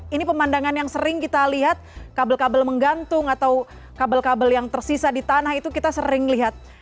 ini pemandangan yang sering kita lihat kabel kabel menggantung atau kabel kabel yang tersisa di tanah itu kita sering lihat